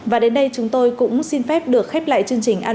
và đến đây chúng tôi cũng xin phép được khép lại chương trình